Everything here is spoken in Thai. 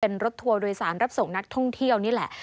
เป็นรถทัวร์โดยสารรับส่งนักท่องเที่ยวนี่แหละ